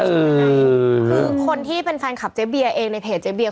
คือคนที่เป็นแฟนคลับเจ๊เบียเองในเพจเจ๊เบีย